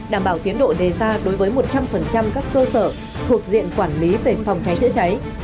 đảm bảo tiến độ đề ra đối với một trăm linh các cơ sở thuộc diện quản lý về phòng cháy chữa cháy